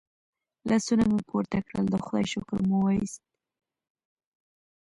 لاسونه مې پورته کړل د خدای شکر مو وایست.